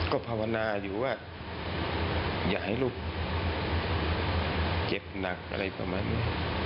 ก็ภาวนาอยู่ว่าอย่าให้ลูกเจ็บหนักอะไรประมาณนี้